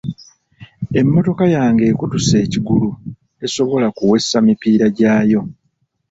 Emmotoka yange ekutuse ekiggulu tesobola kuwesa mipiira gyayo.